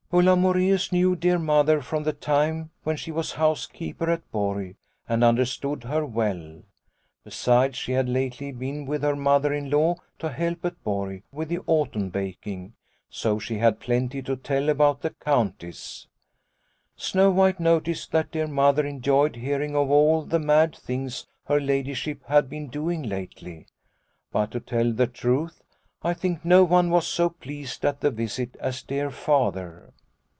" Ulla Moreus knew dear Mother from the time when she was housekeeper at Borg and understood her well. Besides, she had lately been with her mother in law to help at Borg with the autumn baking, so she had plenty 58 Liliecrona's Home to tell about the Countess. Snow White noticed that dear Mother enjoyed hearing of all the mad things her ladyship had been doing lately. " But to tell the truth, I think no one was so pleased at the visit as dear Father.